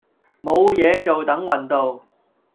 冇嘢做等運到